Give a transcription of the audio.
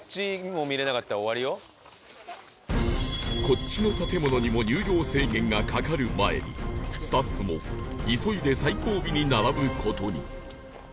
「こっち」の建物にも入場制限がかかる前にスタッフも急いで最後尾に並ぶ事に